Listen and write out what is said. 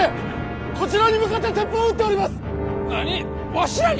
わしらに！？